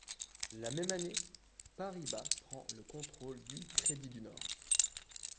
La même année, Paribas prend le contrôle du Crédit du Nord.